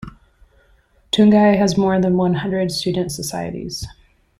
Tunghai has more than one hundred student societies.